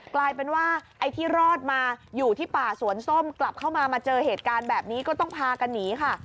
กลายเป็นว่าไอ้ที่รอดมาอยู่ที่ป่าสวนส้มกลับเข้ามามาเจอเหตุการณ์แบบนี้ก็ต้องพากันหนีค่ะ